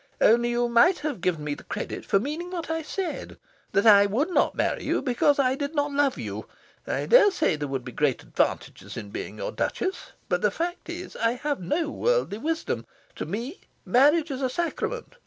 Only, you might have given me credit for meaning what I said: that I would not marry you, because I did not love you. I daresay there would be great advantages in being your Duchess. But the fact is, I have no worldly wisdom. To me, marriage is a sacrament.